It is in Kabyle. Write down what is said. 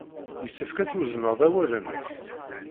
Yessefk ad twezzneḍ awal-nnek.